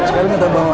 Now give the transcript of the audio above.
sekarang kita bawa